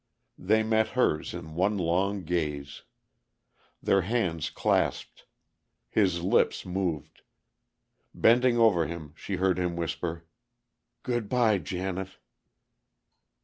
They met hers in one long gaze. Their hands clasped; his lips moved. Bending over him, she heard him whisper, "Good by, Janet!"